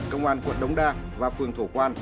công an quận đông đa và phường thổ quang